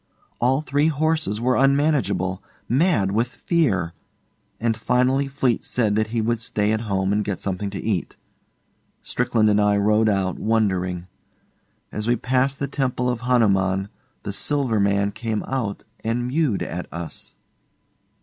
All three horses were unmanageable mad with fear and finally Fleete said that he would stay at home and get something to eat. Strickland and I rode out wondering. As we passed the temple of Hanuman, the Silver Man came out and mewed at us.